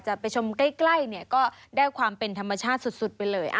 จะไปชมใกล้เนี่ยก็ได้ความเป็นธรรมชาติสุดไปเลย